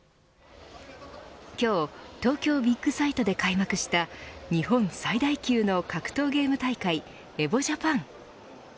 今日東京ビッグサイトで開幕した日本最大級の格闘ゲーム大会ＥＶＯＪＡＰＡＮ。